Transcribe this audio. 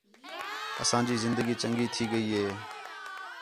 اسانجی زندگی چَنڳی تھی ڳئی ہئی